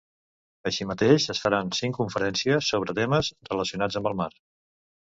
Així mateix, es faran cinc conferències sobre temes relacionats amb el mar.